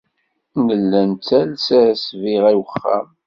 Nella nettales-as ssbiɣa i wexxam.